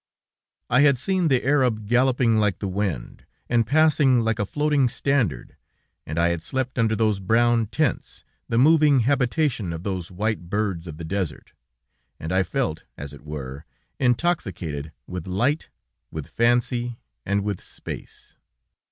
I had seen the Arab galloping like the wind, and passing like a floating standard, and I had slept under those brown tents, the moving habitation of those white birds of the desert, and I felt, as it were, intoxicated with light, with fancy, and with space.